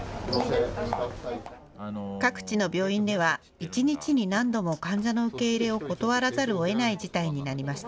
各地の病院では一日に何度も患者の受け入れを断らざるをえない事態になりました。